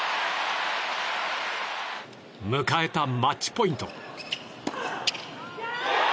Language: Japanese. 迎えたマッチポイント。